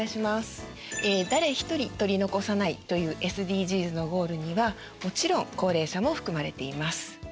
誰ひとり取り残さないというＳＤＧｓのゴールにはもちろん高齢者も含まれています。